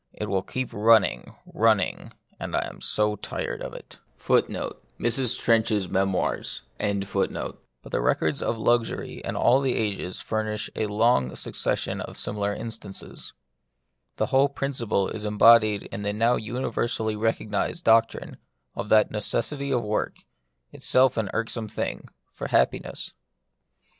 it will keep running, running, and I so tired of it"* But the records of luxury in all ages fur nish a long succession of similar instances. And the whole principle is embodied in the now universally recognised doctrine of the necessity of work — itself an irksome thing — for happiness.